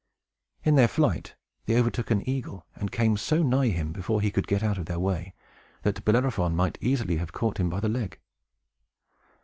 In their flight they overtook an eagle, and came so nigh him, before he could get out of their way, that Bellerophon might easily have caught him by the leg.